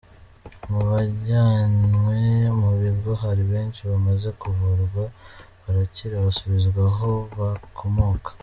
Mu bajyanwe mu bigo hari benshi bamaze kuvurwa barakira basubizwa aho bakomoka.